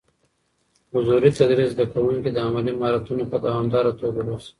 حضوري تدريس زده کوونکي د عملي مهارتونو په دوامداره توګه روزي.